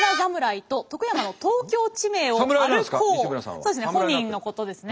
そうですね本人のことですね。